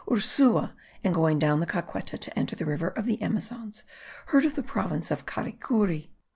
Ursua, in going down the Caqueta to enter the river of the Amazons, heard of the province of Caricuri.